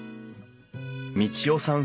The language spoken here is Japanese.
道代さん